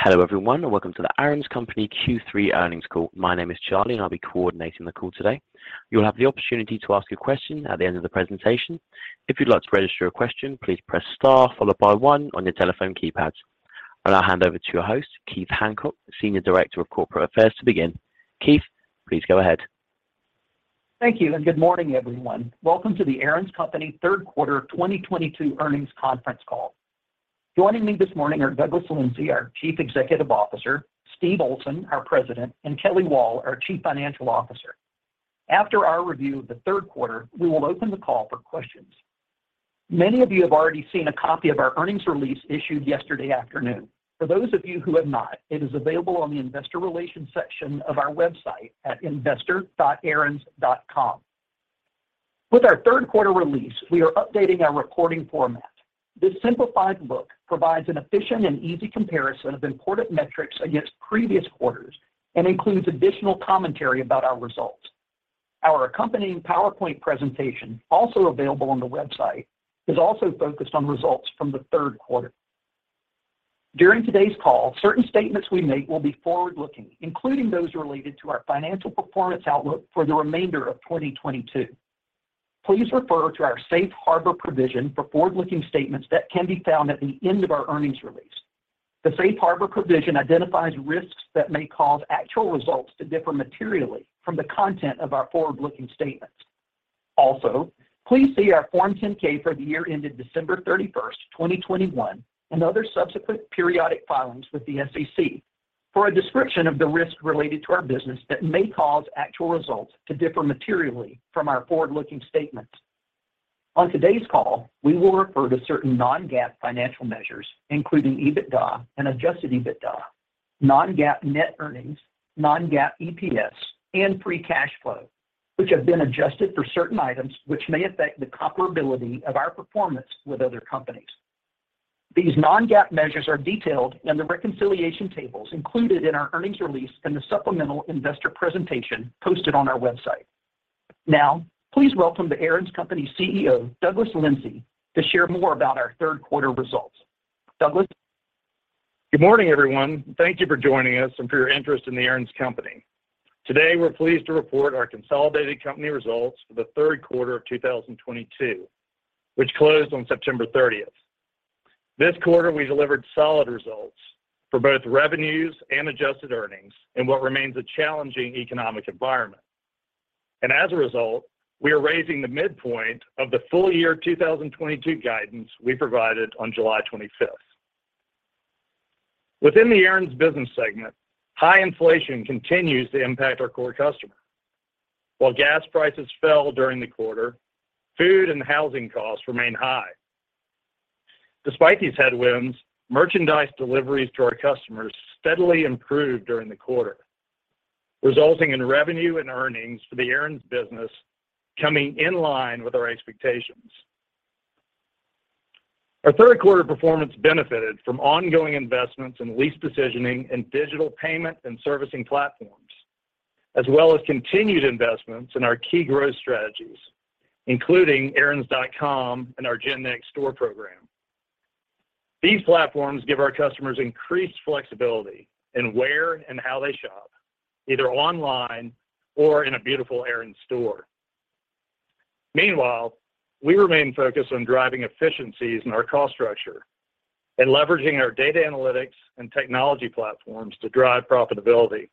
Hello, everyone, and welcome to The Aaron's Company Q3 earnings call. My name is Charlie, and I'll be coordinating the call today. You'll have the opportunity to ask a question at the end of the presentation. If you'd like to register a question, please press star followed by one on your telephone keypad. I'll now hand over to your host, Keith Hancock, Senior Director of Corporate Affairs, to begin. Keith, please go ahead. Thank you, and good morning, everyone. Welcome to The Aaron's Company third quarter 2022 earnings conference call. Joining me this morning are Douglas Lindsay, our Chief Executive Officer, Steve Olsen, our President, and C. Kelly Wall, our Chief Financial Officer. After our review of the third quarter, we will open the call for questions. Many of you have already seen a copy of our earnings release issued yesterday afternoon. For those of you who have not, it is available on the investor relations section of our website at investor.aarons.com. With our third quarter release, we are updating our reporting format. This simplified book provides an efficient and easy comparison of important metrics against previous quarters and includes additional commentary about our results. Our accompanying PowerPoint presentation, also available on the website, is also focused on results from the third quarter. During today's call, certain statements we make will be forward-looking, including those related to our financial performance outlook for the remainder of 2022. Please refer to our safe harbor provision for forward-looking statements that can be found at the end of our earnings release. The safe harbor provision identifies risks that may cause actual results to differ materially from the content of our forward-looking statements. Also, please see our Form 10-K for the year ended December 31, 2021, and other subsequent periodic filings with the SEC for a description of the risk related to our business that may cause actual results to differ materially from our forward-looking statements. On today's call, we will refer to certain non-GAAP financial measures, including EBITDA and adjusted EBITDA, non-GAAP net earnings, non-GAAP EPS, and free cash flow, which have been adjusted for certain items which may affect the comparability of our performance with other companies. These non-GAAP measures are detailed in the reconciliation tables included in our earnings release and the supplemental investor presentation posted on our website. Now, please welcome the Aaron's Company CEO, Douglas Lindsay, to share more about our third quarter results. Douglas? Good morning, everyone. Thank you for joining us and for your interest in The Aaron's Company. Today, we're pleased to report our consolidated company results for the third quarter of 2022, which closed on September 30th. This quarter, we delivered solid results for both revenues and adjusted earnings in what remains a challenging economic environment. As a result, we are raising the midpoint of the full year 2022 guidance we provided on July 25th. Within the Aaron's business segment, high inflation continues to impact our core customer. While gas prices fell during the quarter, food and housing costs remain high. Despite these headwinds, merchandise deliveries to our customers steadily improved during the quarter, resulting in revenue and earnings for the Aaron's business coming in line with our expectations. Our third quarter performance benefited from ongoing investments in lease positioning and digital payment and servicing platforms, as well as continued investments in our key growth strategies, including Aaron's.com and our GenNext store program. These platforms give our customers increased flexibility in where and how they shop, either online or in a beautiful Aaron's store. Meanwhile, we remain focused on driving efficiencies in our cost structure and leveraging our data analytics and technology platforms to drive profitability.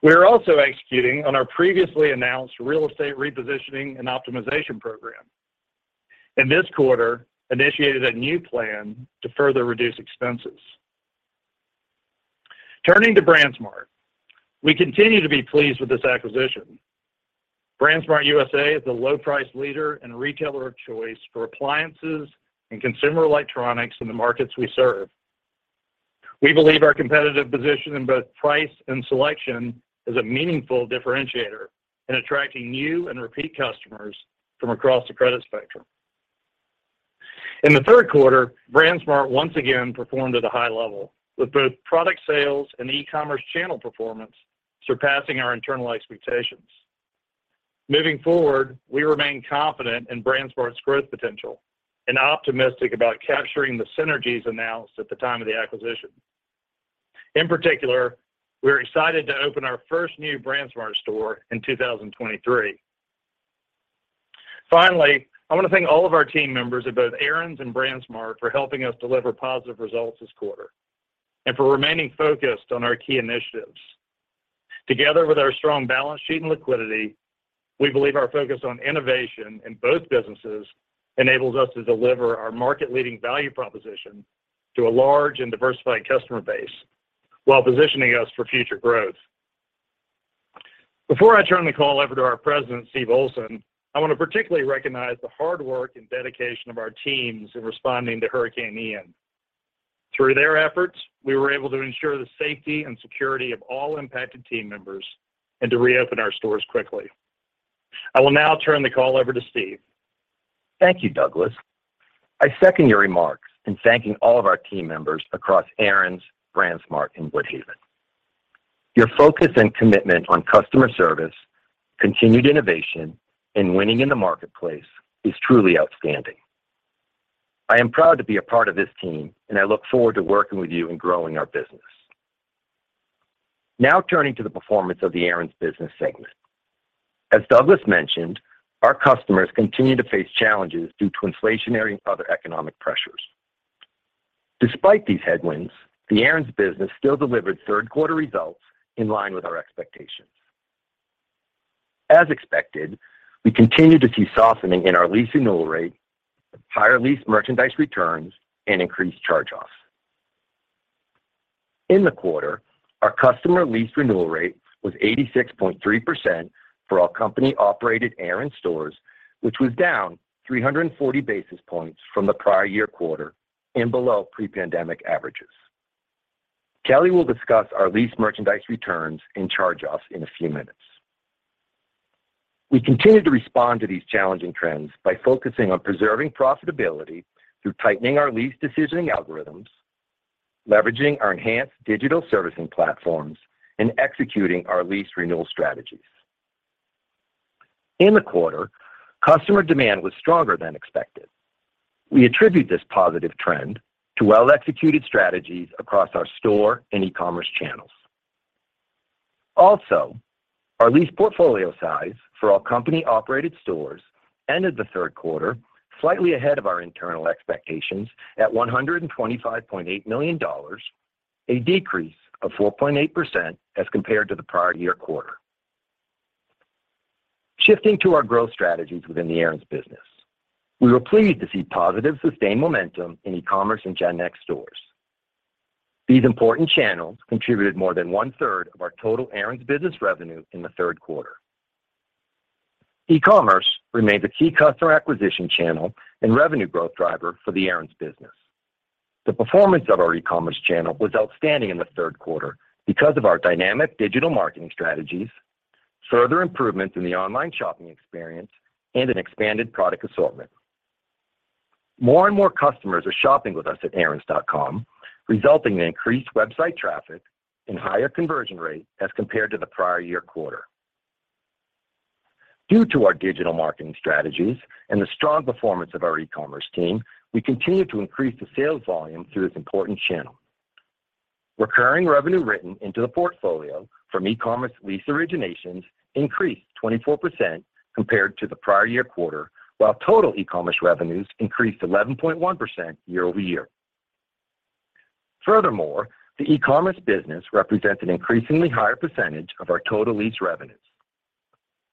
We are also executing on our previously announced real estate repositioning and optimization program, and this quarter initiated a new plan to further reduce expenses. Turning to BrandsMart, we continue to be pleased with this acquisition. BrandsMart U.S.A. is the low price leader and retailer of choice for appliances and consumer electronics in the markets we serve. We believe our competitive position in both price and selection is a meaningful differentiator in attracting new and repeat customers from across the credit spectrum. In the third quarter, BrandsMart once again performed at a high level with both product sales and e-commerce channel performance surpassing our internal expectations. Moving forward, we remain confident in BrandsMart's growth potential and optimistic about capturing the synergies announced at the time of the acquisition. In particular, we're excited to open our first new BrandsMart store in 2023. Finally, I want to thank all of our team members at both Aaron's and BrandsMart for helping us deliver positive results this quarter and for remaining focused on our key initiatives. Together with our strong balance sheet and liquidity, we believe our focus on innovation in both businesses enables us to deliver our market-leading value proposition to a large and diversified customer base while positioning us for future growth. Before I turn the call over to our President, Steve Olsen, I want to particularly recognize the hard work and dedication of our teams in responding to Hurricane Ian. Through their efforts, we were able to ensure the safety and security of all impacted team members and to reopen our stores quickly. I will now turn the call over to Steve. Thank you, Douglas. I second your remarks in thanking all of our team members across Aaron's, BrandsMart, and Woodhaven. Your focus and commitment on customer service, continued innovation, and winning in the marketplace is truly outstanding. I am proud to be a part of this team, and I look forward to working with you in growing our business. Now turning to the performance of the Aaron's business segment. As Douglas mentioned, our customers continue to face challenges due to inflationary and other economic pressures. Despite these headwinds, the Aaron's business still delivered third quarter results in line with our expectations. As expected, we continued to see softening in our lease renewal rate, higher lease merchandise returns, and increased charge-offs. In the quarter, our customer lease renewal rate was 86.3% for our company-operated Aaron's stores, which was down 340 basis points from the prior year quarter and below pre-pandemic averages. Kelly will discuss our lease merchandise returns and charge-offs in a few minutes. We continued to respond to these challenging trends by focusing on preserving profitability through tightening our lease decisioning algorithms, leveraging our enhanced digital servicing platforms, and executing our lease renewal strategies. In the quarter, customer demand was stronger than expected. We attribute this positive trend to well-executed strategies across our store and e-commerce channels. Our lease portfolio size for our company-operated stores ended the third quarter slightly ahead of our internal expectations at $125.8 million, a decrease of 4.8% as compared to the prior year quarter. Shifting to our growth strategies within the Aaron's business, we were pleased to see positive sustained momentum in e-commerce and GenNext stores. These important channels contributed more than one-third of our total Aaron's business revenue in the third quarter. E-commerce remains a key customer acquisition channel and revenue growth driver for the Aaron's business. The performance of our e-commerce channel was outstanding in the third quarter because of our dynamic digital marketing strategies, further improvements in the online shopping experience, and an expanded product assortment. More and more customers are shopping with us at Aaron's.com, resulting in increased website traffic and higher conversion rate as compared to the prior year quarter. Due to our digital marketing strategies and the strong performance of our e-commerce team, we continued to increase the sales volume through this important channel. Recurring revenue written into the portfolio from e-commerce lease originations increased 24% compared to the prior year quarter, while total e-commerce revenues increased 11.1% year-over-year. Furthermore, the e-commerce business represents an increasingly higher percentage of our total lease revenues.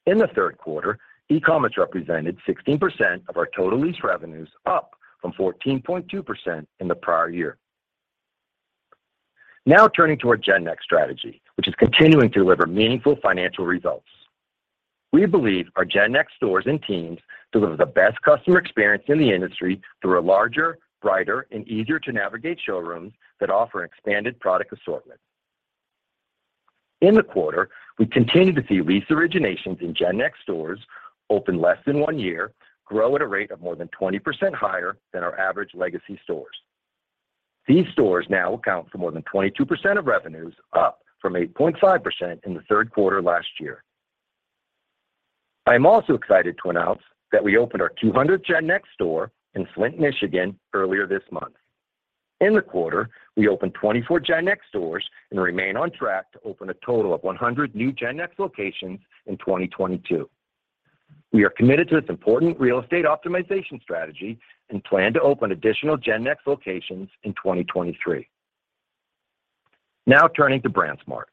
In the third quarter, e-commerce represented 16% of our total lease revenues, up from 14.2% in the prior year. Now turning to our GenNext strategy, which is continuing to deliver meaningful financial results. We believe our GenNext stores and teams deliver the best customer experience in the industry through our larger, brighter, and easier to navigate showrooms that offer an expanded product assortment. In the quarter, we continued to see lease originations in GenNext stores open less than 1 year grow at a rate of more than 20% higher than our average legacy stores. These stores now account for more than 22% of revenues, up from 8.5% in the third quarter last year. I am also excited to announce that we opened our 200th GenNext store in Flint, Michigan, earlier this month. In the quarter, we opened 24 GenNext stores and remain on track to open a total of 100 new GenNext locations in 2022. We are committed to this important real estate optimization strategy and plan to open additional GenNext locations in 2023. Now turning to BrandsMart.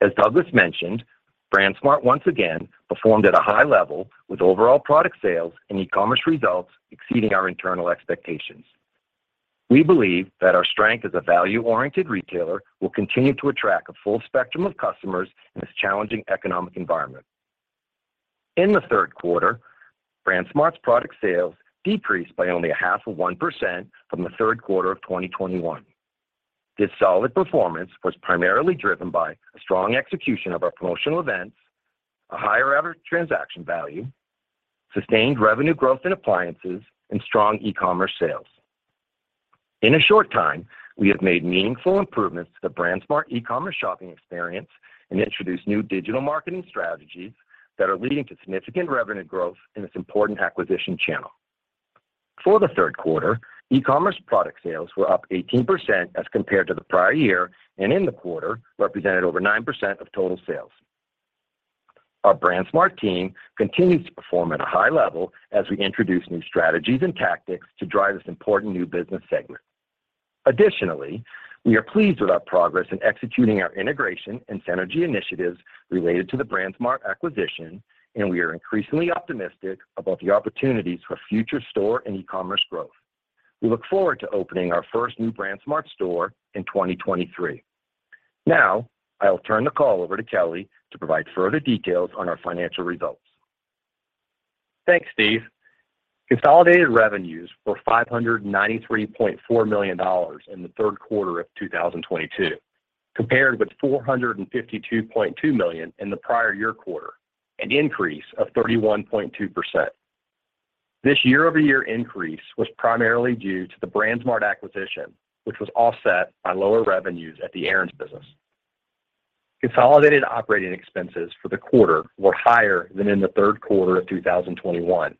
As Douglas mentioned, BrandsMart once again performed at a high level with overall product sales and e-commerce results exceeding our internal expectations. We believe that our strength as a value-oriented retailer will continue to attract a full spectrum of customers in this challenging economic environment. In the third quarter, BrandsMart's product sales decreased by only 0.5% from the third quarter of 2021. This solid performance was primarily driven by a strong execution of our promotional events, a higher average transaction value, sustained revenue growth in appliances, and strong e-commerce sales. In a short time, we have made meaningful improvements to the BrandsMart e-commerce shopping experience and introduced new digital marketing strategies that are leading to significant revenue growth in this important acquisition channel. For the third quarter, e-commerce product sales were up 18% as compared to the prior year and in the quarter represented over 9% of total sales. Our BrandsMart team continues to perform at a high level as we introduce new strategies and tactics to drive this important new business segment. Additionally, we are pleased with our progress in executing our integration and synergy initiatives related to the BrandsMart acquisition, and we are increasingly optimistic about the opportunities for future store and e-commerce growth. We look forward to opening our first new BrandsMart store in 2023. Now, I will turn the call over to Kelly to provide further details on our financial results. Thanks, Steve. Consolidated revenues were $593.4 million in the third quarter of 2022, compared with $452.2 million in the prior year quarter, an increase of 31.2%. This year-over-year increase was primarily due to the BrandsMart acquisition, which was offset by lower revenues at the Aaron's business. Consolidated operating expenses for the quarter were higher than in the third quarter of 2021,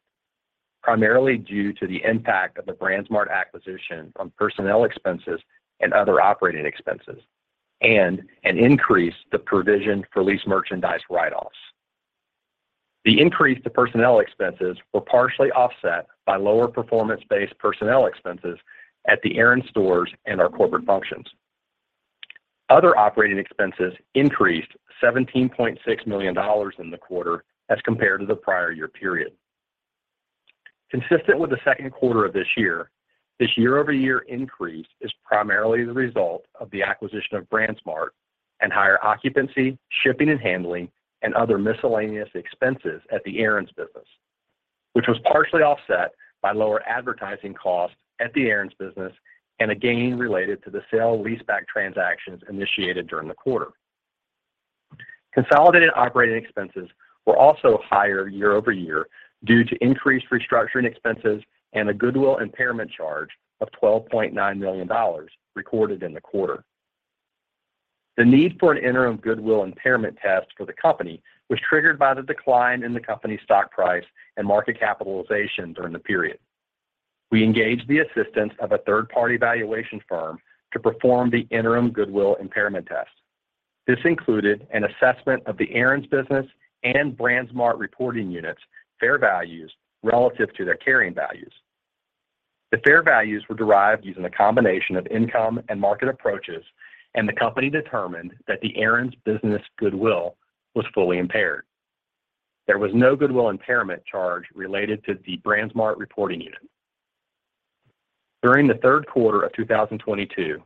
primarily due to the impact of the BrandsMart acquisition on personnel expenses and other operating expenses and an increase to provision for lease merchandise write-offs. The increase to personnel expenses were partially offset by lower performance-based personnel expenses at the Aaron's stores and our corporate functions. Other operating expenses increased $17.6 million in the quarter as compared to the prior year period. Consistent with the second quarter of this year, this year-over-year increase is primarily the result of the acquisition of BrandsMart and higher occupancy, shipping and handling and other miscellaneous expenses at the Aaron's business, which was partially offset by lower advertising costs at the Aaron's business and a gain related to the sale-leaseback transactions initiated during the quarter. Consolidated operating expenses were also higher year-over-year due to increased restructuring expenses and a goodwill impairment charge of $12.9 million recorded in the quarter. The need for an interim goodwill impairment test for the company was triggered by the decline in the company's stock price and market capitalization during the period. We engaged the assistance of a third-party valuation firm to perform the interim goodwill impairment test. This included an assessment of the Aaron's business and BrandsMart reporting units fair values relative to their carrying values. The fair values were derived using a combination of income and market approaches, and the company determined that the Aaron's business goodwill was fully impaired. There was no goodwill impairment charge related to the BrandsMart reporting unit. During the third quarter of 2022,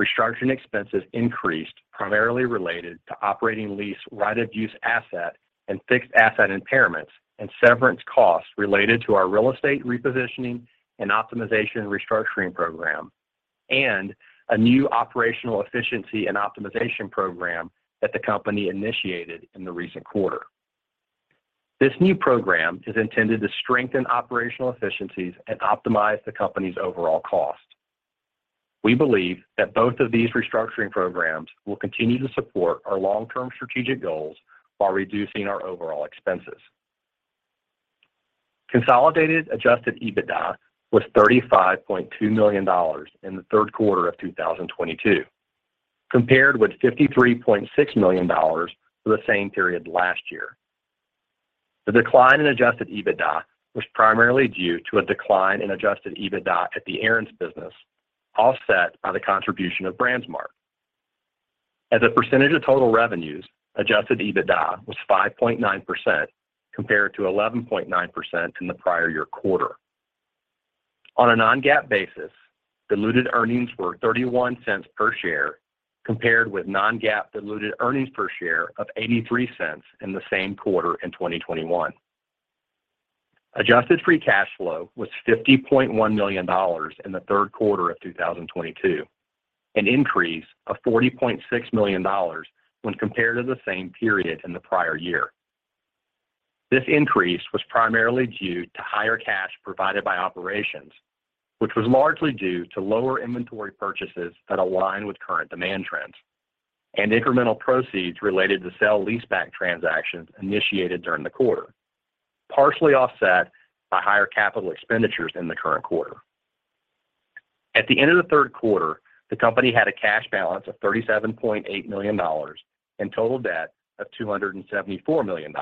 restructuring expenses increased primarily related to operating lease right-of-use asset and fixed asset impairments and severance costs related to our real estate repositioning and optimization restructuring program and a new operational efficiency and optimization program that the company initiated in the recent quarter. This new program is intended to strengthen operational efficiencies and optimize the company's overall cost. We believe that both of these restructuring programs will continue to support our long-term strategic goals while reducing our overall expenses. Consolidated adjusted EBITDA was $35.2 million in the third quarter of 2022 compared with $53.6 million for the same period last year. The decline in adjusted EBITDA was primarily due to a decline in adjusted EBITDA at the Aaron's business, offset by the contribution of BrandsMart. As a percentage of total revenues, adjusted EBITDA was 5.9% compared to 11.9% in the prior year quarter. On a non-GAAP basis, diluted earnings were $0.31 per share compared with non-GAAP diluted earnings per share of $0.83 in the same quarter in 2021. Adjusted free cash flow was $50.1 million in the third quarter of 2022, an increase of $40.6 million when compared to the same period in the prior year. This increase was primarily due to higher cash provided by operations, which was largely due to lower inventory purchases that align with current demand trends and incremental proceeds related to sale leaseback transactions initiated during the quarter, partially offset by higher capital expenditures in the current quarter. At the end of the third quarter, the company had a cash balance of $37.8 million and total debt of $274 million.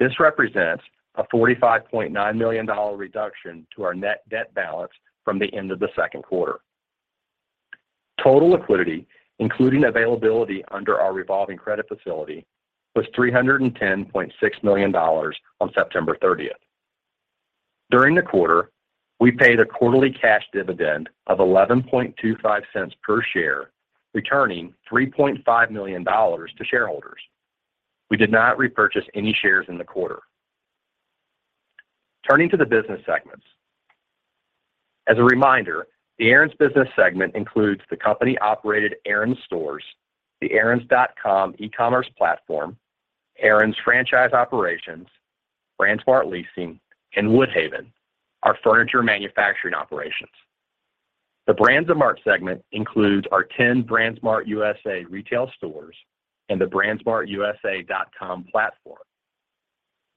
This represents a $45.9 million reduction to our net debt balance from the end of the second quarter. Total liquidity, including availability under our revolving credit facility, was $310.6 million on September thirtieth. During the quarter, we paid a quarterly cash dividend of $0.1125 per share, returning $3.5 million to shareholders. We did not repurchase any shares in the quarter. Turning to the business segments. As a reminder, the Aaron's business segment includes the company-operated Aaron's stores, the Aaron's.com e-commerce platform, Aaron's franchise operations, BrandsMart Leasing and Woodhaven, our furniture manufacturing operations. The BrandsMart segment includes our ten BrandsMart U.S.A. retail stores and the brandsmartusa.com platform.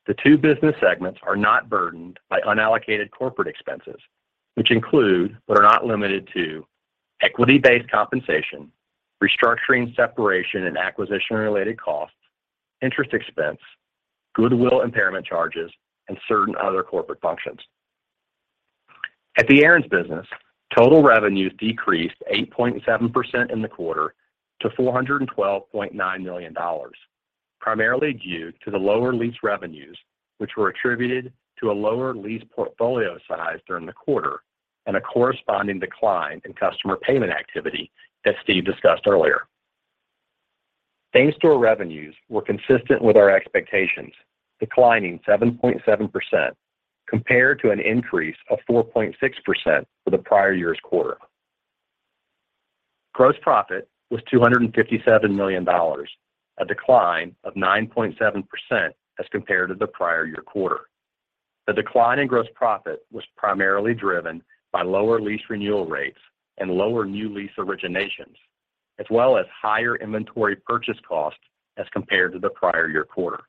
The two business segments are not burdened by unallocated corporate expenses, which include but are not limited to equity-based compensation, restructuring, separation, and acquisition-related costs, interest expense, goodwill impairment charges and certain other corporate functions. At the Aaron's business, total revenues decreased 8.7% in the quarter to $412.9 million, primarily due to the lower lease revenues, which were attributed to a lower lease portfolio size during the quarter and a corresponding decline in customer payment activity that Steve discussed earlier. Same-store revenues were consistent with our expectations, declining 7.7% compared to an increase of 4.6% for the prior year's quarter. Gross profit was $257 million, a decline of 9.7% as compared to the prior year quarter. The decline in gross profit was primarily driven by lower lease renewal rates and lower new lease originations, as well as higher inventory purchase costs as compared to the prior year quarter.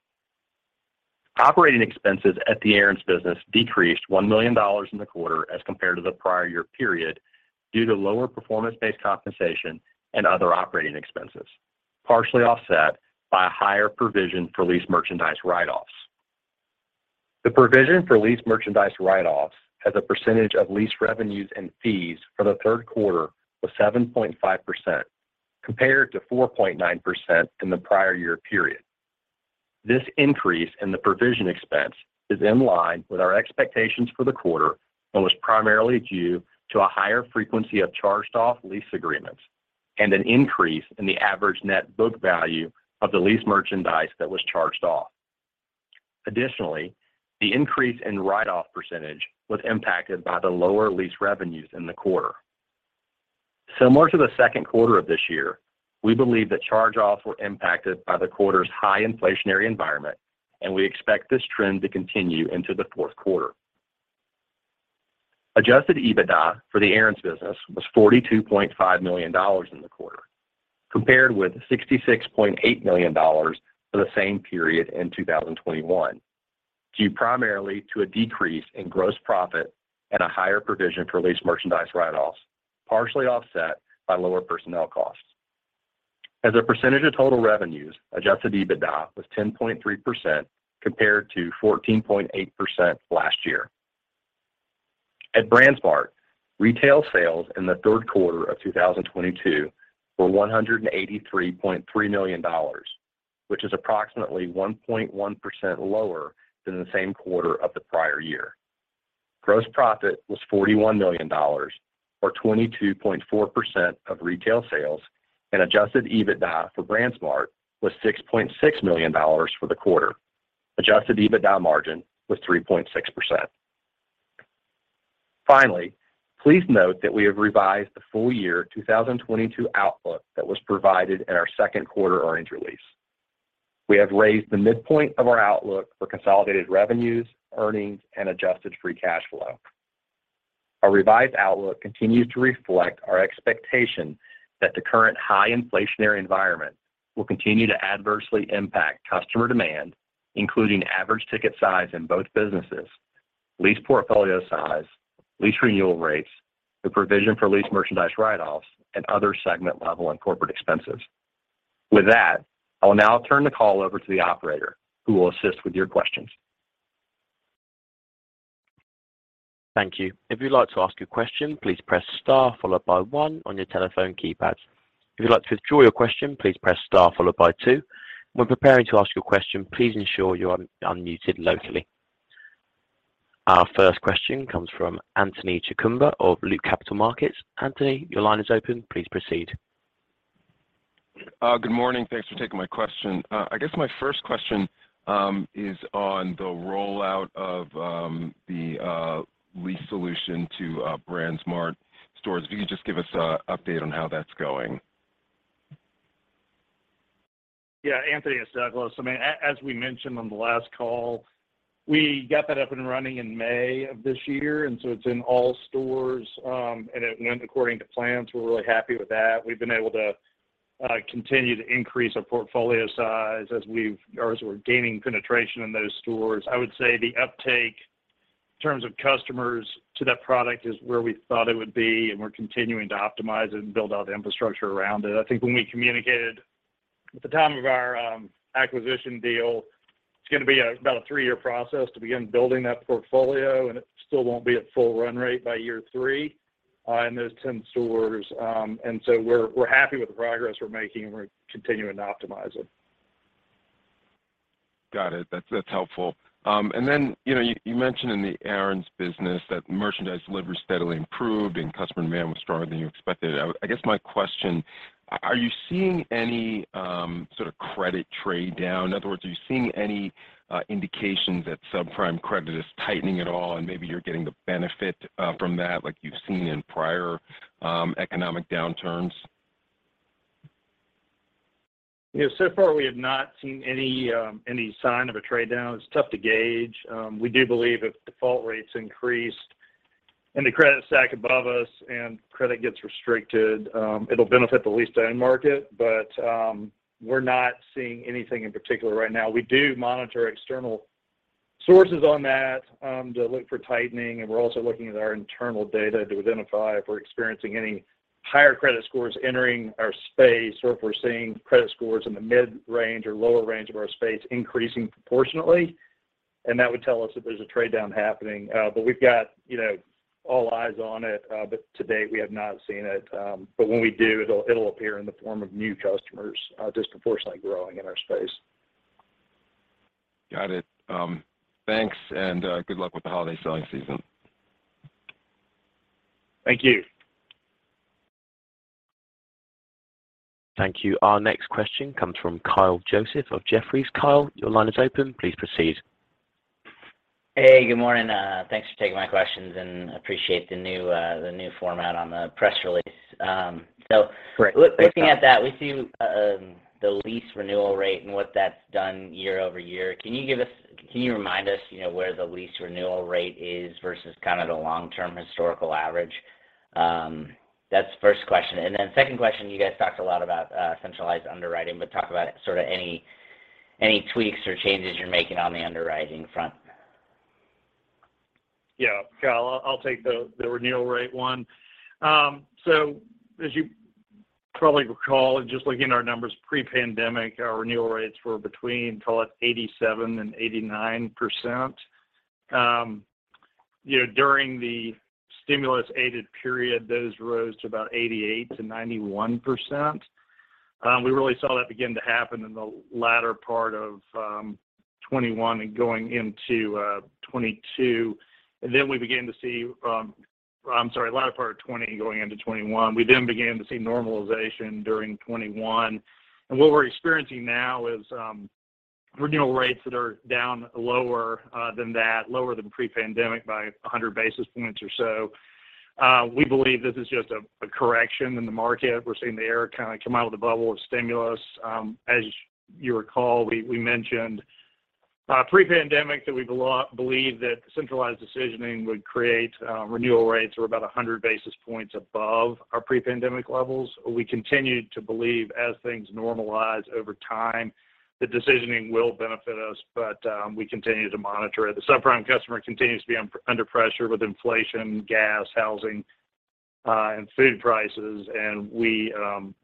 Operating expenses at the Aaron's business decreased $1 million in the quarter as compared to the prior year period due to lower performance-based compensation and other operating expenses, partially offset by a higher provision for leased merchandise write-offs. The provision for leased merchandise write-offs as a percentage of lease revenues and fees for the third quarter was 7.5% compared to 4.9% in the prior year period. This increase in the provision expense is in line with our expectations for the quarter and was primarily due to a higher frequency of charged off lease agreements and an increase in the average net book value of the leased merchandise that was charged off. Additionally, the increase in write-off percentage was impacted by the lower lease revenues in the quarter. Similar to the second quarter of this year, we believe that charge-offs were impacted by the quarter's high inflationary environment, and we expect this trend to continue into the fourth quarter. Adjusted EBITDA for the Aaron's business was $42.5 million in the quarter, compared with $66.8 million for the same period in 2021, due primarily to a decrease in gross profit and a higher provision for leased merchandise write-offs, partially offset by lower personnel costs. As a percentage of total revenues, adjusted EBITDA was 10.3% compared to 14.8% last year. At BrandsMart, retail sales in the third quarter of 2022 were $183.3 million, which is approximately 1.1% lower than the same quarter of the prior year. Gross profit was $41 million or 22.4% of retail sales, and adjusted EBITDA for BrandsMart was $6.6 million for the quarter. Adjusted EBITDA margin was 3.6%. Finally, please note that we have revised the full year 2022 outlook that was provided in our second quarter earnings release. We have raised the midpoint of our outlook for consolidated revenues, earnings, and adjusted free cash flow. Our revised outlook continues to reflect our expectation that the current high inflationary environment will continue to adversely impact customer demand, including average ticket size in both businesses, lease portfolio size, lease renewal rates, the provision for lease merchandise write-offs, and other segment level and corporate expenses. With that, I will now turn the call over to the operator who will assist with your questions. Thank you. If you'd like to ask a question, please press star followed by one on your telephone keypad. If you'd like to withdraw your question, please press star followed by two. When preparing to ask your question, please ensure you are unmuted locally. Our first question comes from Anthony Chukumba of Loop Capital Markets. Anthony, your line is open. Please proceed. Good morning. Thanks for taking my question. I guess my first question is on the rollout of the lease solution to BrandsMart stores. If you could just give us an update on how that's going. Yeah. Anthony, it's Douglas. I mean, as we mentioned on the last call, we got that up and running in May of this year, and it's in all stores. It went according to plans. We're really happy with that. We've been able to continue to increase our portfolio size as we're gaining penetration in those stores. I would say the uptake in terms of customers to that product is where we thought it would be, and we're continuing to optimize it and build out the infrastructure around it. I think when we communicated at the time of our acquisition deal, it's gonna be about a three-year process to begin building that portfolio, and it still won't be at full run rate by year three in those 10 stores. We're happy with the progress we're making. We're continuing to optimize it. Got it. That's helpful. You know, you mentioned in the Aaron's business that merchandise delivery steadily improved and customer demand was stronger than you expected. I guess my question, are you seeing any sort of credit trade down? In other words, are you seeing any indications that subprime credit is tightening at all and maybe you're getting the benefit from that like you've seen in prior economic downturns? Yeah. So far we have not seen any sign of a trade down. It's tough to gauge. We do believe if default rates increased in the credit stack above us and credit gets restricted, it'll benefit the lease-to-own market. We're not seeing anything in particular right now. We do monitor external sources on that, to look for tightening, and we're also looking at our internal data to identify if we're experiencing any higher credit scores entering our space or if we're seeing credit scores in the mid-range or lower range of our space increasing proportionately, and that would tell us if there's a trade-down happening. We've got, you know, all eyes on it. To date, we have not seen it. When we do, it'll appear in the form of new customers, disproportionately growing in our space. Got it. Thanks, and good luck with the holiday selling season. Thank you. Thank you. Our next question comes from Kyle Joseph of Jefferies. Kyle, your line is open. Please proceed. Hey, good morning. Thanks for taking my questions, and appreciate the new format on the press release. Great. Thanks, Kyle. looking at that, we see the lease renewal rate and what that's done year over year. Can you remind us, you know, where the lease renewal rate is versus kind of the long-term historical average? That's the first question. Then second question, you guys talked a lot about centralized underwriting, but talk about sort of any tweaks or changes you're making on the underwriting front? Yeah. Kyle, I'll take the renewal rate one. So as you probably recall, just looking at our numbers pre-pandemic, our renewal rates were between call it 87%-89%. You know, during the stimulus-aided period, those rose to about 88%-91%. We really saw that begin to happen in the latter part of 2021 and going into 2022. Then we began to see, or I'm sorry, latter part of 2020 going into 2021. We then began to see normalization during 2021. What we're experiencing now is renewal rates that are down lower than that, lower than pre-pandemic by 100 basis points or so. We believe this is just a correction in the market. We're seeing the air kind of come out of the bubble of stimulus. As you recall, we mentioned pre-pandemic that we believe that centralized decisioning would create renewal rates that were about 100 basis points above our pre-pandemic levels. We continue to believe as things normalize over time, the decisioning will benefit us, but we continue to monitor it. The subprime customer continues to be under pressure with inflation, gas, housing, and food prices, and we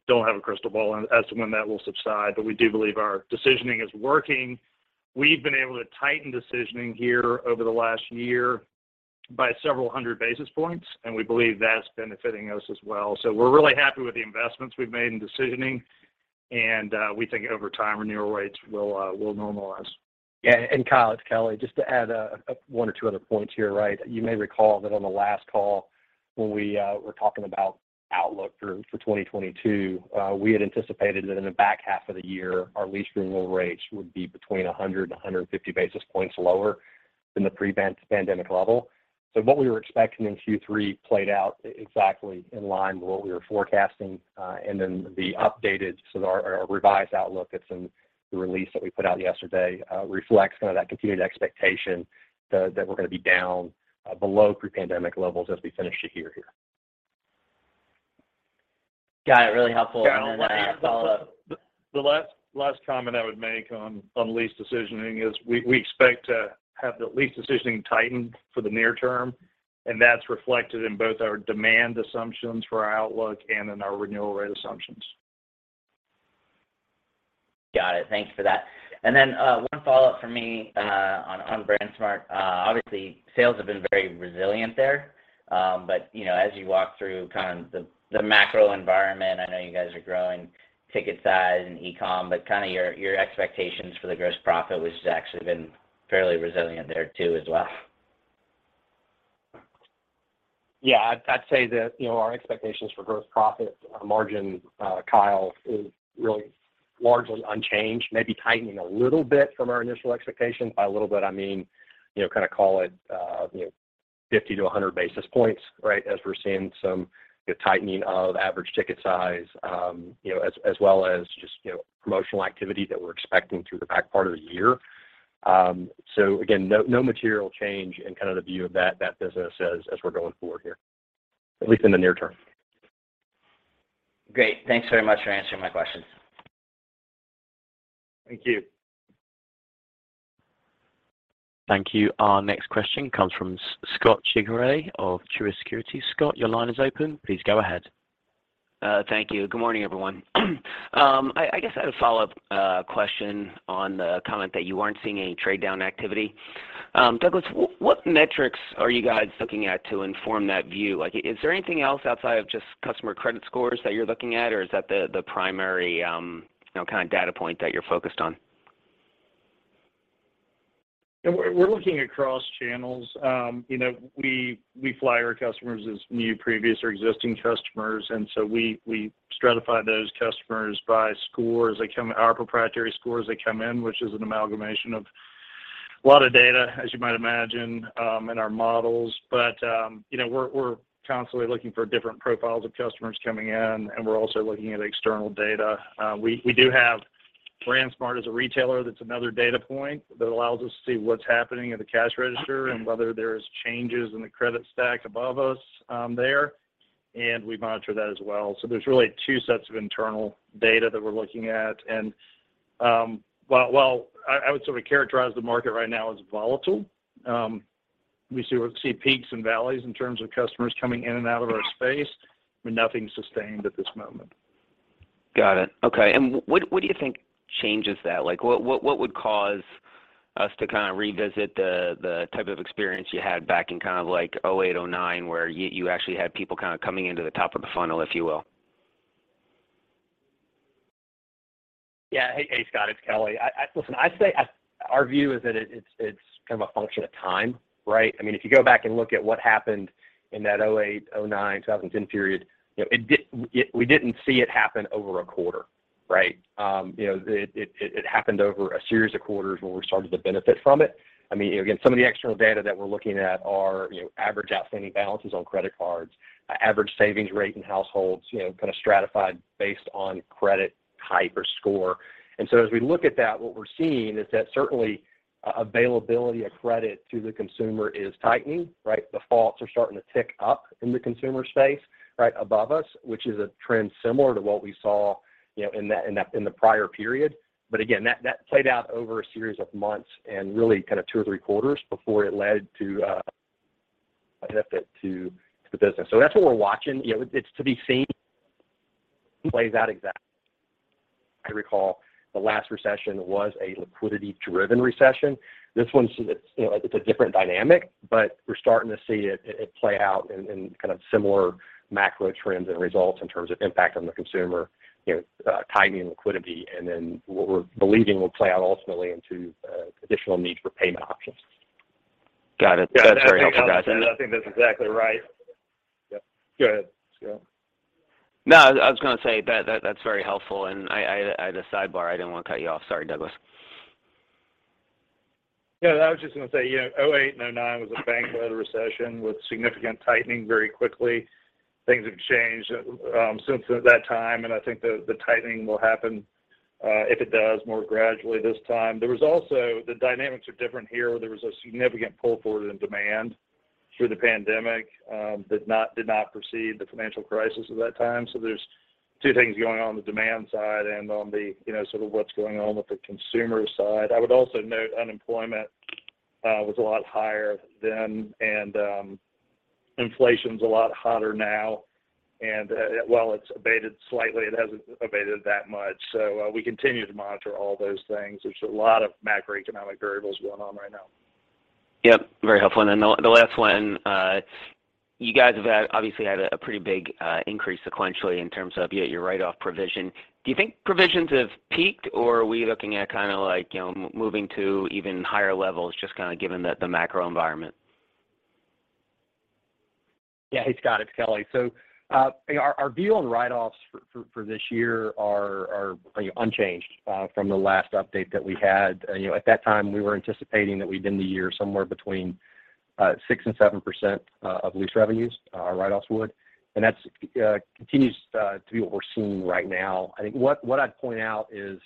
don't have a crystal ball as to when that will subside. We do believe our decisioning is working. We've been able to tighten decisioning here over the last year by several hundred basis points, and we believe that's benefiting us as well. We're really happy with the investments we've made in decisioning, and we think over time, renewal rates will normalize. Yeah. Kyle, it's Kelly. Just to add one or two other points here, right? You may recall that on the last call when we were talking about outlook through for 2022, we had anticipated that in the back half of the year, our lease renewal rates would be between 100 and 150 basis points lower than the pre-pandemic level. What we were expecting in Q3 played out exactly in line with what we were forecasting. The updated, our revised outlook that's in the release that we put out yesterday reflects kind of that continued expectation that we're going to be down below pre-pandemic levels as we finish the year here. Got it. Really helpful. A follow-up. Kyle, the last comment I would make on lease decisioning is we expect to have the lease decisioning tightened for the near term, and that's reflected in both our demand assumptions for our outlook and in our renewal rate assumptions. Got it. Thank you for that. One follow-up from me, on BrandsMart. Obviously, sales have been very resilient there. You know, as you walk through kind of the macro environment, I know you guys are growing ticket size and e-com, but kind of your expectations for the gross profit, which has actually been fairly resilient there too as well? Yeah. I'd say that, you know, our expectations for gross profit margin, Kyle, is really largely unchanged, maybe tightening a little bit from our initial expectations. By a little bit, I mean, you know, kind of call it, you know, 50-100 basis points, right? As we're seeing some tightening of average ticket size, you know, as well as just, you know, promotional activity that we're expecting through the back part of the year. Again, no material change in kind of the view of that business as we're going forward here, at least in the near term. Great. Thanks very much for answering my questions. Thank you. Thank you. Our next question comes from Scot Ciccarelli of Truist Securities. Scot, your line is open. Please go ahead. Thank you. Good morning, everyone. I guess I have a follow-up question on the comment that you weren't seeing any trade-down activity. Douglas, what metrics are you guys looking at to inform that view? Like, is there anything else outside of just customer credit scores that you're looking at, or is that the primary, you know, kind of data point that you're focused on? We're looking across channels. You know, we fly our customers as new, previous, or existing customers. We stratify those customers by scores. Our proprietary scores come in, which is an amalgamation of a lot of data, as you might imagine, in our models. You know, we're constantly looking for different profiles of customers coming in, and we're also looking at external data. We do have BrandsMart as a retailer. That's another data point that allows us to see what's happening at the cash register and whether there's changes in the credit stack above us, there, and we monitor that as well. There's really two sets of internal data that we're looking at. While I would sort of characterize the market right now as volatile, we see peaks and valleys in terms of customers coming in and out of our space, but nothing sustained at this moment. Got it. Okay. What do you think changes that? Like, what would cause us to kind of revisit the type of experience you had back in kind of like 2008, 2009, where you actually had people kind of coming into the top of the funnel, if you will? Yeah. Hey, Scott, it's Kelly. Listen, I'd say our view is that it's kind of a function of time, right? I mean, if you go back and look at what happened in that 2008, 2009, 2010 period, you know, it did. We didn't see it happen over a quarter. Right. You know, it happened over a series of quarters where we started to benefit from it. I mean, again, some of the external data that we're looking at are, you know, average outstanding balances on credit cards, average savings rate in households, you know, kind of stratified based on credit type or score. As we look at that, what we're seeing is that certainly availability of credit to the consumer is tightening, right? Defaults are starting to tick up in the consumer space right above us, which is a trend similar to what we saw, you know, in the prior period. Again, that played out over a series of months and really kind of two or three quarters before it led to a benefit to the business. That's what we're watching. You know, it's to be seen plays out exactly. I recall the last recession was a liquidity-driven recession. This one's, you know, it's a different dynamic, but we're starting to see it play out in kind of similar macro trends and resulting in terms of impact on the consumer, you know, tightening liquidity, and then what we're believing will play out ultimately into additional need for payment options. Got it. That's very helpful, guys. I think that's exactly right. Yeah. Go ahead, Scot. No, I was gonna say that's very helpful. I just sidebar, I didn't want to cut you off. Sorry, Douglas. Yeah, I was just gonna say, you know, 2008 and 2009 was a bank-led recession with significant tightening very quickly. Things have changed since that time, and I think the tightening will happen, if it does, more gradually this time. The dynamics are different here. There was a significant pull-forward in demand through the pandemic that did not precede the financial crisis at that time. There's two things going on on the demand side and on the, you know, sort of what's going on with the consumer side. I would also note unemployment was a lot higher then and inflation's a lot hotter now, and while it's abated slightly, it hasn't abated that much. We continue to monitor all those things. There's a lot of macroeconomic variables going on right now. Yep. Very helpful. Then the last one. You guys have obviously had a pretty big increase sequentially in terms of your write-off provision. Do you think provisions have peaked, or are we looking at kinda like, you know, moving to even higher levels just kinda given the macro environment? Yeah. Hey, Scott, it's Kelly. Our view on write-offs for this year are unchanged from the last update that we had. You know, at that time, we were anticipating that we'd end the year somewhere between 6%-7% of lease revenues, our write-offs would. That continues to be what we're seeing right now. I think what I'd point out is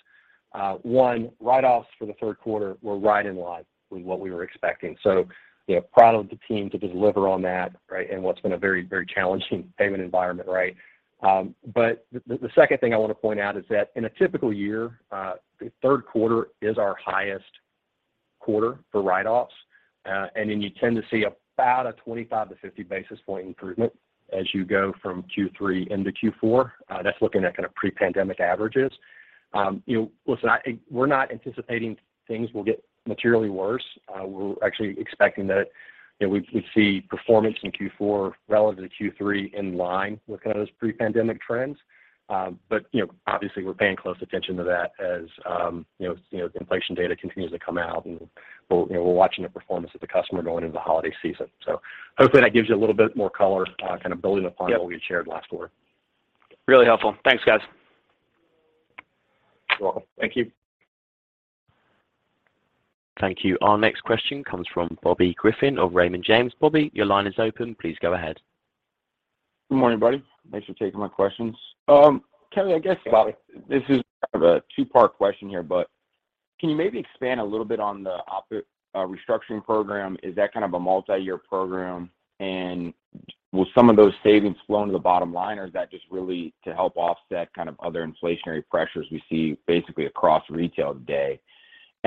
one, write-offs for the third quarter were right in line with what we were expecting. You know, proud of the team to deliver on that, right, in what's been a very challenging payment environment, right? The second thing I want to point out is that in a typical year, the third quarter is our highest quarter for write-offs, and then you tend to see about a 25-50 basis point improvement as you go from Q3 into Q4. That's looking at kind of pre-pandemic averages. You know, listen, we're not anticipating things will get materially worse. We're actually expecting that, you know, we see performance in Q4 relative to Q3 in line with kind of those pre-pandemic trends. You know, obviously we're paying close attention to that as you know, you know, inflation data continues to come out, and we're, you know, we're watching the performance of the customer going into the holiday season. Hopefully that gives you a little bit more color, kind of building upon what we shared last quarter. Really helpful. Thanks, guys. You're welcome. Thank you. Thank you. Our next question comes from Bobby Griffin of Raymond James. Bobby, your line is open. Please go ahead. Good morning, buddy. Thanks for taking my questions. Kelly, I guess this is kind of a two-part question here, but can you maybe expand a little bit on the restructuring program? Is that kind of a multi-year program? Will some of those savings flow into the bottom line, or is that just really to help offset kind of other inflationary pressures we see basically across retail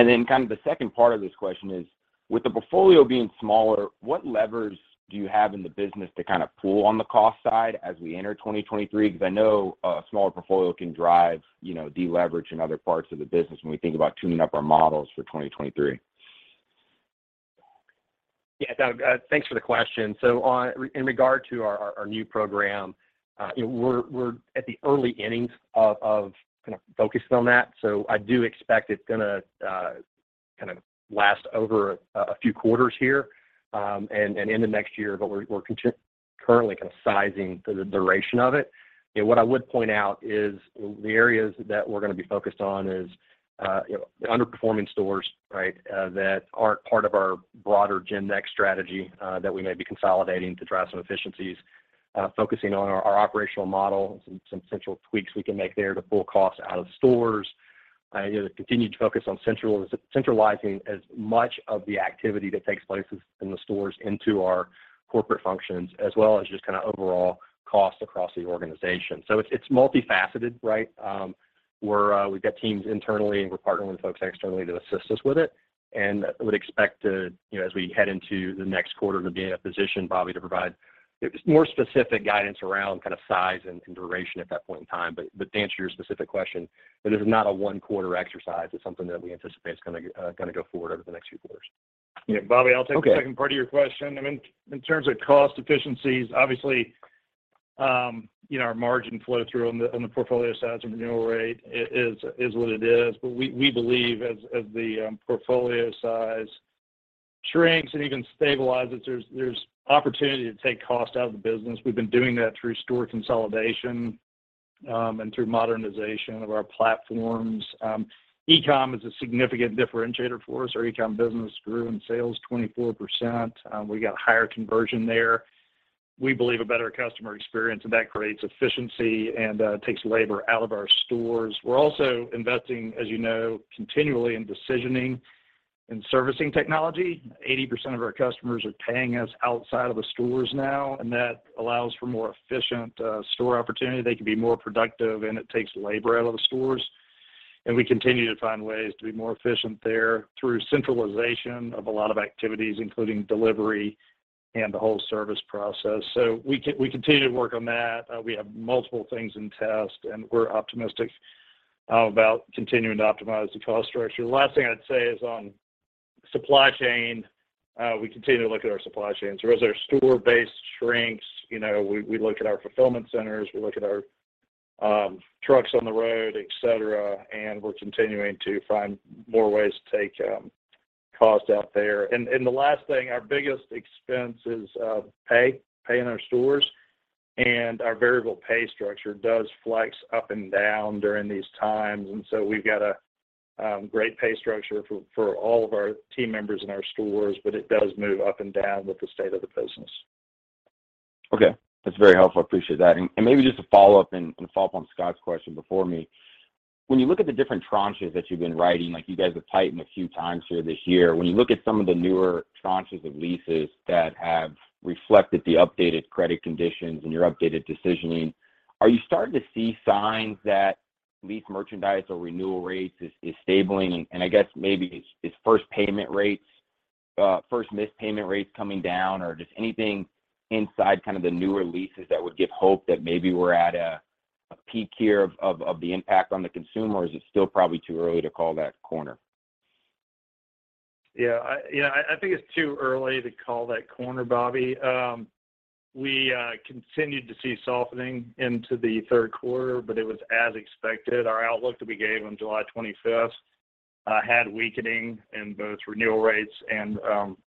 today? Kind of the second part of this question is, with the portfolio being smaller, what levers do you have in the business to kind of pull on the cost side as we enter 2023? Because I know a smaller portfolio can drive, you know, deleverage in other parts of the business when we think about tuning up our models for 2023? Yeah. Thanks for the question. In regard to our new program, you know, we're at the early innings of kind of focusing on that. I do expect it's gonna kind of last over a few quarters here, and into next year, but we're currently kind of sizing the duration of it. You know, what I would point out is the areas that we're going to be focused on is the underperforming stores, right, that aren't part of our broader GenNext strategy, that we may be consolidating to drive some efficiencies, focusing on our operational model and some central tweaks we can make there to pull costs out of stores. You know, continue to focus on centralizing as much of the activity that takes place in the stores into our corporate functions, as well as just kind of overall costs across the organization. It's multifaceted, right? We've got teams internally, and we're partnering with folks externally to assist us with it. I would expect to, you know, as we head into the next quarter to be in a position, Bobby, to provide more specific guidance around kind of size and duration at that point in time. To answer your specific question, this is not a one-quarter exercise. It's something that we anticipate is gonna go forward over the next few quarters. Yeah. Bobby, I'll take the second part of your question. I mean, in terms of cost efficiencies, obviously, you know, our margin flow through on the portfolio size and renewal rate is what it is. We believe as the portfolio size shrinks and even stabilizes, there's opportunity to take cost out of the business. We've been doing that through store consolidation and through modernization of our platforms. E-com is a significant differentiator for us. Our e-com business grew in sales 24%. We got higher conversion there. We believe a better customer experience, and that creates efficiency and takes labor out of our stores. We're also investing, as you know, continually in decisioning and servicing technology. 80% of our customers are paying us outside of the stores now, and that allows for more efficient store operations. They can be more productive, and it takes labor out of the stores. We continue to find ways to be more efficient there through centralization of a lot of activities, including delivery and the whole service process. We continue to work on that. We have multiple things in test, and we're optimistic about continuing to optimize the cost structure. Last thing I'd say is on supply chain. We continue to look at our supply chains. As our store base shrinks, you know, we look at our fulfillment centers, we look at our trucks on the road, et cetera, and we're continuing to find more ways to take cost out there. The last thing, our biggest expense is pay in our stores. Our variable pay structure does flex up and down during these times. We've got a great pay structure for all of our team members in our stores, but it does move up and down with the state of the business. Okay. That's very helpful. I appreciate that. Maybe just to follow up on Scott's question before me. When you look at the different tranches that you've been writing, like you guys have tightened a few times here this year. When you look at some of the newer tranches of leases that have reflected the updated credit conditions and your updated decisioning, are you starting to see signs that lease merchandise or renewal rates is stabilizing? I guess maybe is first payment rates, first missed payment rates coming down? Or just anything inside kind of the newer leases that would give hope that maybe we're at a peak here of the impact on the consumer, or is it still probably too early to call that corner? Yeah. I think it's too early to call that corner, Bobby. We continued to see softening into the third quarter, but it was as expected. Our outlook that we gave on July 25th had weakening in both renewal rates and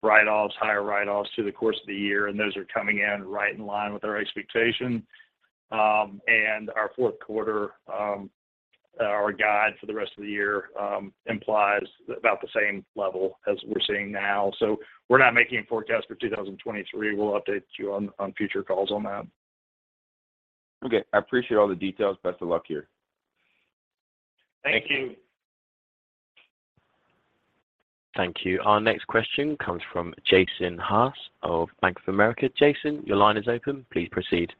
write-offs, higher write-offs through the course of the year, and those are coming in right in line with our expectation. Our fourth quarter, our guide for the rest of the year, implies about the same level as we're seeing now. We're not making a forecast for 2023. We'll update you on future calls on that. Okay. I appreciate all the details. Best of luck to you. Thank you. Thank you. Our next question comes from Jason Haas of Bank of America. Jason, your line is open. Please proceed.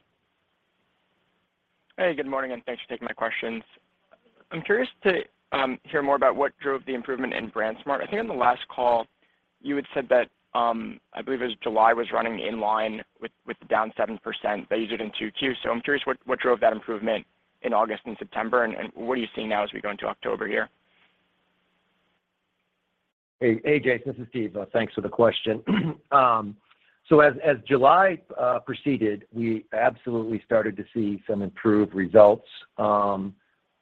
Hey, good morning, and thanks for taking my questions. I'm curious to hear more about what drove the improvement in BrandsMart. I think on the last call you had said that I believe it was July was running in line with the down 7% that you did in Q2. I'm curious what drove that improvement in August and September and what are you seeing now as we go into October here? Hey, hey, Jason, this is Steve. Thanks for the question. As July proceeded, we absolutely started to see some improved results.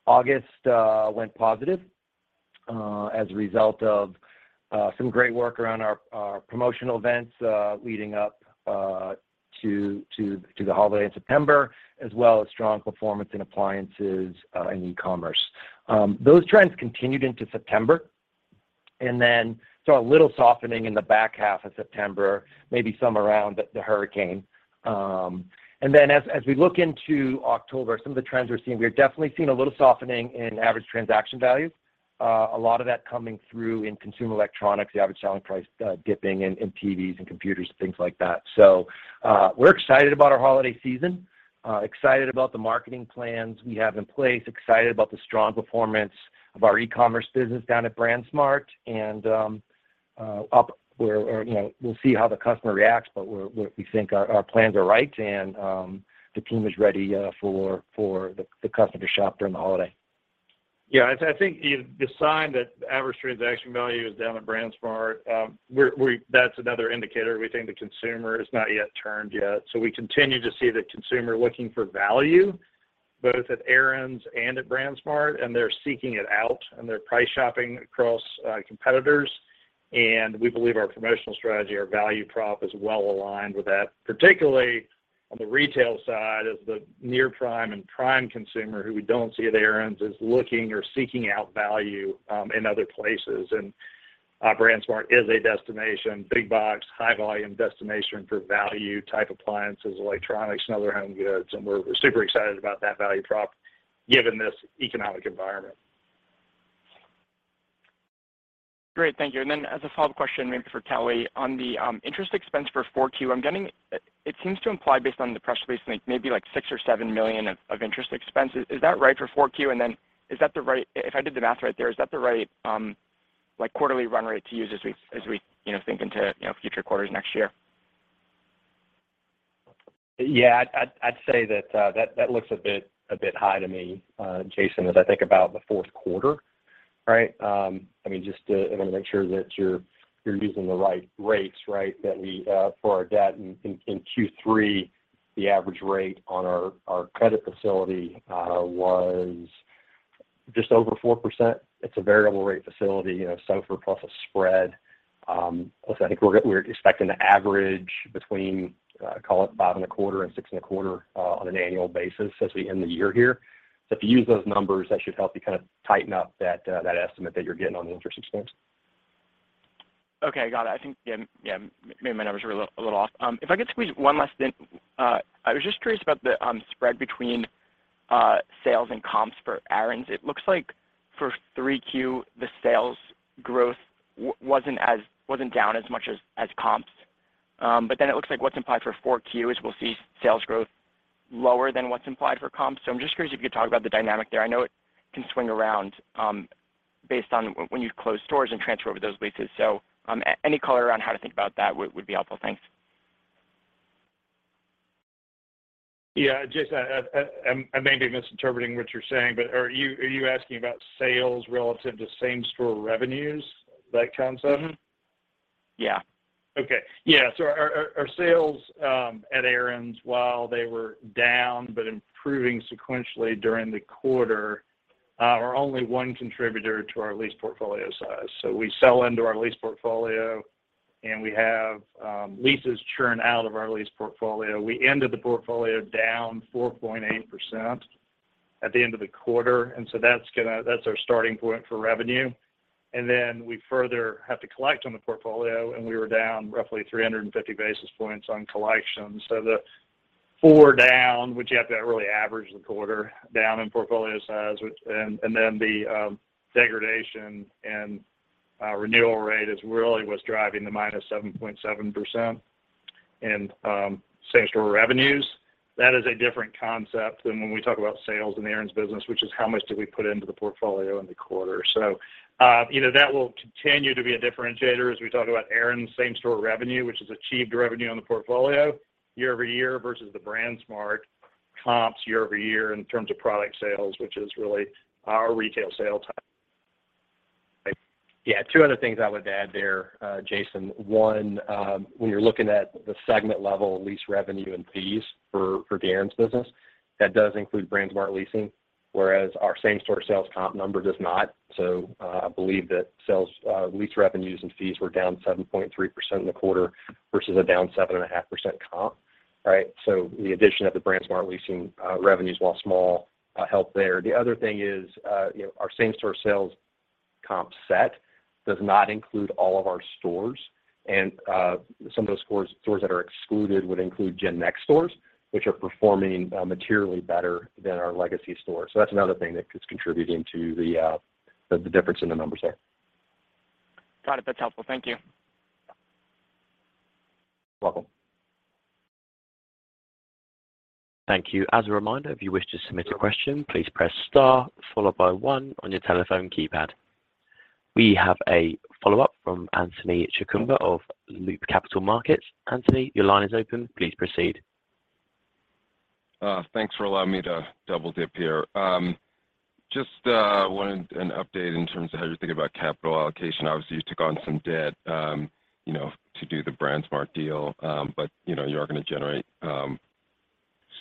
August went positive as a result of some great work around our promotional events leading up to the holiday in September, as well as strong performance in appliances and e-commerce. Those trends continued into September and then saw a little softening in the back half of September, maybe some around the hurricane. As we look into October, some of the trends we're seeing, we're definitely seeing a little softening in average transaction values. A lot of that coming through in consumer electronics, the average selling price dipping in TVs and computers and things like that. We're excited about our holiday season, excited about the marketing plans we have in place, excited about the strong performance of our e-commerce business down at BrandsMart and up where you know we'll see how the customer reacts, but we think our plans are right and the team is ready for the customer to shop during the holiday. I think the sign that average transaction value is down at BrandsMart, that's another indicator we think the consumer is not yet turned. We continue to see the consumer looking for value both at Aaron's and at BrandsMart, and they're seeking it out and they're price shopping across competitors. We believe our promotional strategy, our value prop is well aligned with that, particularly on the retail side as the near-prime and prime consumer who we don't see at Aaron's is looking or seeking out value in other places. BrandsMart is a destination, big box, high volume destination for value type appliances, electronics and other home goods, and we're super excited about that value prop given this economic environment. Great. Thank you. As a follow-up question maybe for Kelly. On the interest expense for 4Q, I'm getting. It seems to imply based on the press release maybe like $6 million or $7 million of interest expense. Is that right for 4Q? Is that the right like quarterly run rate to use as we you know think into you know future quarters next year? Yeah. I'd say that looks a bit high to me, Jason, as I think about the fourth quarter, right? I mean, I wanna make sure that you're using the right rates, right? That we for our debt in Q3, the average rate on our credit facility was Just over 4%. It's a variable rate facility, you know, SOFR plus a spread. Listen, I think we're expecting to average between call it 5.25%-6.25% on an annual basis as we end the year here. If you use those numbers, that should help you kind of tighten up that estimate that you're getting on the interest expense. Okay. Got it. I think, yeah, maybe my numbers were a little off. If I could squeeze one last thing. I was just curious about the spread between sales and comps for Aaron's. It looks like for 3Q, the sales growth wasn't down as much as comps. But then it looks like what's implied for 4Q is we'll see sales growth lower than what's implied for comps. I'm just curious if you could talk about the dynamic there. I know it can swing around based on when you close stores and transfer over those leases. Any color around how to think about that would be helpful. Thanks. Yeah. Jason, I may be misinterpreting what you're saying, but are you asking about sales relative to same-store revenues, that concept? Yeah. Okay. Yeah. Our sales at Aaron's, while they were down but improving sequentially during the quarter, are only one contributor to our lease portfolio size. We sell into our lease portfolio and we have leases churn out of our lease portfolio. We ended the portfolio down 4.8% at the end of the quarter, and that's our starting point for revenue. We further have to collect on the portfolio, and we were down roughly 350 basis points on collections. The four down, which you have to really average the quarter down in portfolio size. The degradation and renewal rate is really what's driving the -7.7% in same-store revenues. That is a different concept than when we talk about sales in the Aaron's business, which is how much did we put into the portfolio in the quarter. You know, that will continue to be a differentiator as we talk about Aaron's same-store revenue, which is achieved revenue on the portfolio year-over-year versus the BrandsMart comps year-over-year in terms of product sales, which is really our retail sale type. Yeah. Two other things I would add there, Jason. One, when you're looking at the segment level lease revenue and fees for the Aaron's business, that does include BrandsMart Leasing, whereas our same store sales comp number does not. I believe that sales, lease revenues and fees were down 7.3% in the quarter versus a down 7.5% comp, right? The addition of the BrandsMart Leasing, revenues, while small, helped there. The other thing is, you know, our same store sales comp set does not include all of our stores. Some of those stores that are excluded would include GenNext stores, which are performing, materially better than our legacy stores. That's another thing that is contributing to the difference in the numbers there. Got it. That's helpful. Thank you. You're welcome. Thank you. As a reminder, if you wish to submit a question, please press star followed by one on your telephone keypad. We have a follow-up from Anthony Chukumba of Loop Capital Markets. Anthony, your line is open. Please proceed. Thanks for allowing me to double dip here. Just wanted an update in terms of how you're thinking about capital allocation. Obviously, you took on some debt, you know, to do the BrandsMart deal. You know, you are gonna generate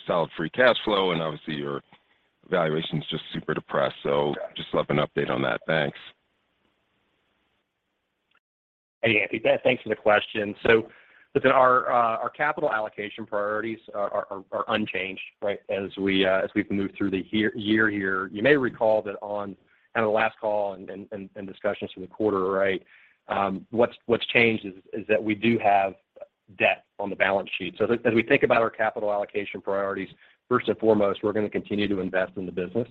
solid free cash flow, and obviously your valuation's just super depressed. Just would love an update on that. Thanks. Hey, Anthony. Yeah, thanks for the question. Listen, our capital allocation priorities are unchanged, right? As we've moved through the year here. You may recall that on kind of the last call and discussions from the quarter, right, what's changed is that we do have debt on the balance sheet. As we think about our capital allocation priorities, first and foremost, we're gonna continue to invest in the business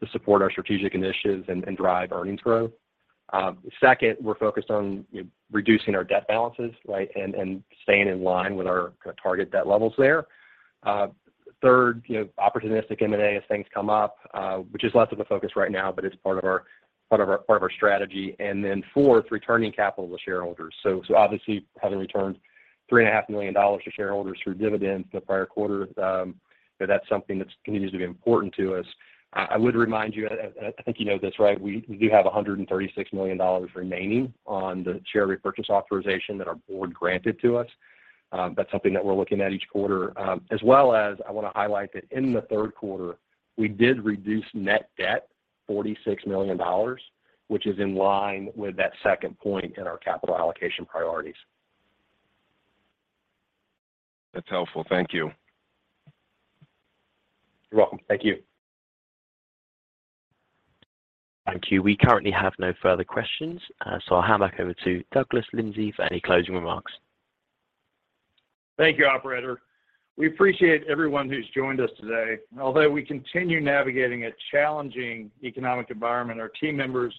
to support our strategic initiatives and drive earnings growth. Second, we're focused on, you know, reducing our debt balances, right, and staying in line with our kind of target debt levels there. Third, you know, opportunistic M&A as things come up, which is less of a focus right now, but it's part of our strategy. Fourth, returning capital to shareholders. Obviously, having returned $3.5 million to shareholders through dividends the prior quarter, you know, that's something that continues to be important to us. I would remind you. I think you know this, right? We do have $136 million remaining on the share repurchase authorization that our board granted to us. That's something that we're looking at each quarter. As well as I wanna highlight that in the third quarter, we did reduce net debt $46 million, which is in line with that second point in our capital allocation priorities. That's helpful. Thank you. You're welcome. Thank you. Thank you. We currently have no further questions, so I'll hand back over to Douglas Lindsay for any closing remarks. Thank you, operator. We appreciate everyone who's joined us today. Although we continue navigating a challenging economic environment, our team members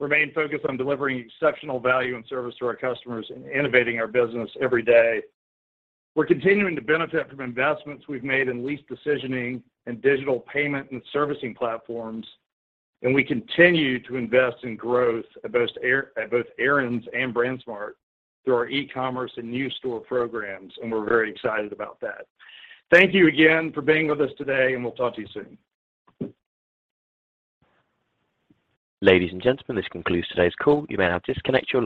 remain focused on delivering exceptional value and service to our customers and innovating our business every day. We're continuing to benefit from investments we've made in lease decisioning and digital payment and servicing platforms, and we continue to invest in growth at both Aaron's and BrandsMart through our e-commerce and new store programs, and we're very excited about that. Thank you again for being with us today, and we'll talk to you soon. Ladies and gentlemen, this concludes today's call. You may now disconnect your line.